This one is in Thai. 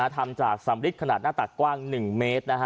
ทำจากสำริดขนาดหน้าตักกว้าง๑เมตร